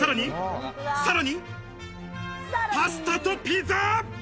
さらに、パスタとピザ！